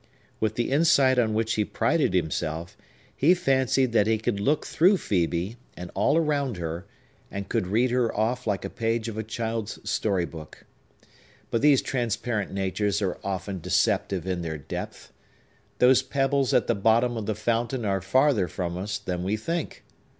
With the insight on which he prided himself, he fancied that he could look through Phœbe, and all around her, and could read her off like a page of a child's story book. But these transparent natures are often deceptive in their depth; those pebbles at the bottom of the fountain are farther from us than we think.